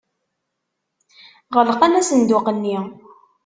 Ɣelqen asenduq-nni.